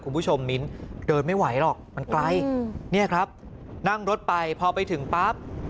มิ้นเดินไม่ไหวหรอกมันไกลเนี่ยครับนั่งรถไปพอไปถึงปั๊บ